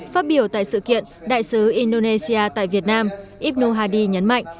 phát biểu tại sự kiện đại sứ indonesia tại việt nam ibno hadi nhấn mạnh